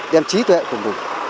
đem trí tuệ của mình